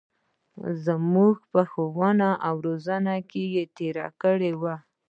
زمـوږ په ښـوونه او روزنـه کـې تېـر کـړى و.